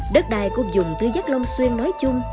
đất đài của dùng tư giác long xuyên nói chung